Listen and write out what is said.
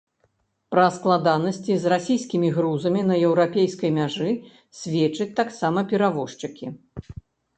Пра складанасці з расійскімі грузамі на еўрапейскай мяжы сведчаць таксама перавозчыкі.